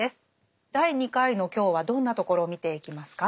第２回の今日はどんなところを見ていきますか？